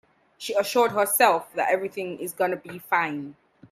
She assured herself that everything is gonna be fine.